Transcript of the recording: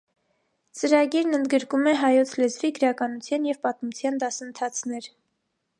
Ծրագիրն ընդգրկում է հայոց լեզվի, գրականության և պատմության դասընթացներ։